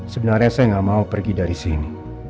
sebenarnya saya nggak mau pergi dari sini